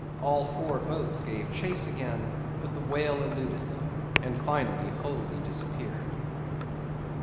All four boats gave chase again; but the whale eluded them, and finally wholly disappeared.